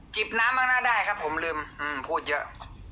บน้ำมากหน้าได้ครับผมลืมพูดเยอะ